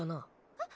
えっ？